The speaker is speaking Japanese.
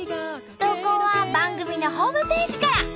投稿は番組のホームページから。